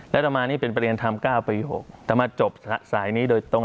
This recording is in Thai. และต่อมานี่เป็นประเด็นทำ๙ปี๖แต่มาจบสายนี้โดยตรง